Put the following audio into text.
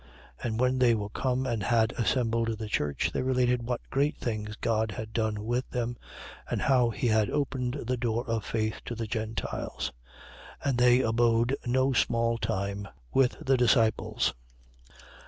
14:26. And when they were come and had assembled the church, they related what great things God had done with them and how he had opened the door of faith to the Gentiles. 14:27. And they abode no small time with the disciples.